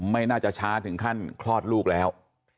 ไม่น่าจะช้าถึงขั้นคลอดลูกแล้ว